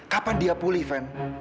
kapan dia pulih pen